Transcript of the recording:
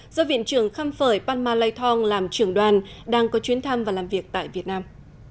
do viện trưởng khăm phởi panma lai thong làm trưởng đoàn đang có chuyến thăm và làm việc tại việt nam